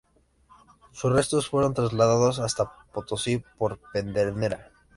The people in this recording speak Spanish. Sus restos fueron trasladados hasta Potosí por Pedernera.